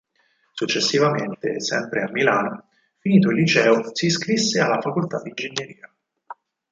Successivamente sempre a Milano, finito il liceo si iscrisse alla facoltà di Ingegneria.